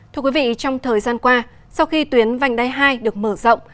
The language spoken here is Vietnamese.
thưa quý vị trong thời gian qua sau khi tuyến vành đai hai được mở rộng